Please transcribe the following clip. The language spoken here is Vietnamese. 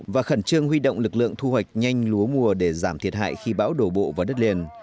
và khẩn trương huy động lực lượng thu hoạch nhanh lúa mùa để giảm thiệt hại khi bão đổ bộ vào đất liền